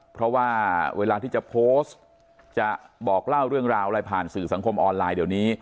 เพราะว่าเวลาที่จะโพสต์จะบอกเล่าเรื่องราวอะไรผ่านสื่อสังคมออนไลน์เดี๋ยวนี้